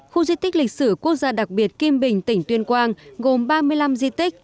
khu di tích lịch sử quốc gia đặc biệt kim bình tỉnh tuyên quang gồm ba mươi năm di tích